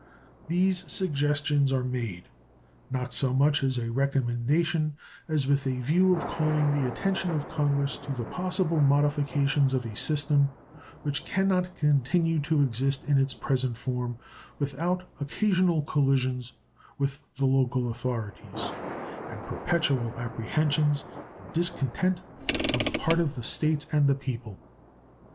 These suggestions are made not so much as a recommendation as with a view of calling the attention of Congress to the possible modifications of a system which can not continue to exist in its present form without occasional collisions with the local authorities and perpetual apprehensions and discontent on the part of the States and the people.